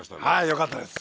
よかったです。